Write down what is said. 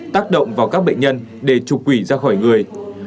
tác động vào các bệnh nhân để trục quỷ ra khỏi người